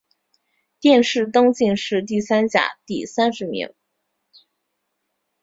殿试登进士第三甲第三十名。